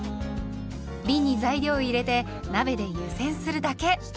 びんに材料を入れて鍋で湯煎するだけ。